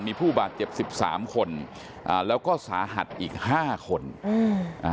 มีผู้บาดเจ็บสิบสามคนอ่าแล้วก็สาหัสอีกห้าคนอืมอ่า